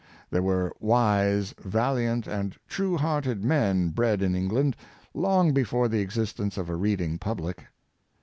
There were wise, valiant, and true hearted men bred in England, long before the existence of a reading public.